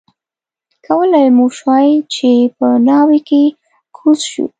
کولای مو شوای چې په ناوې کې کوز شو.